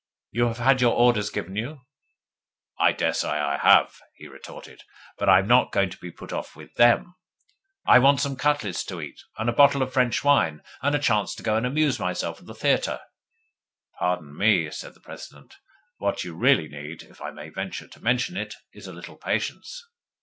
You have had your orders given you.' 'I daresay I have,' he retorted, 'but I am not going to be put off with THEM. I want some cutlets to eat, and a bottle of French wine, and a chance to go and amuse myself at the theatre.' 'Pardon me,' said the President. 'What you really need (if I may venture to mention it) is a little patience.